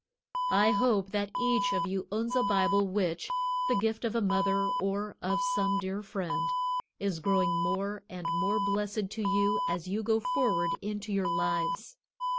I hope that each of you owns a Bible which, the gift of a mother or of some dear friend, is growing more and more blessed to you as you go forward into your lives.